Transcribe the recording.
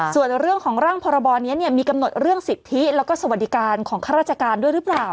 ส่วนเรื่องของร่างพรบนี้มีกำหนดเรื่องสิทธิแล้วก็สวัสดิการของข้าราชการด้วยหรือเปล่า